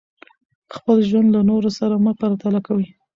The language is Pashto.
خپل ژوند له نورو سره مه پرتله کوئ.